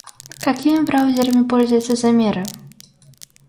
Какими браузерами пользуются замеры?